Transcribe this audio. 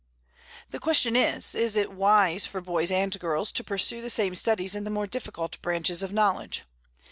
The question is, Is it wise for boys and girls to pursue the same studies in the more difficult branches of knowledge?